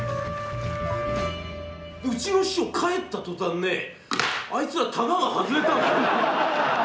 うちの師匠帰ったとたんねあいつらタガが外れたんですよ。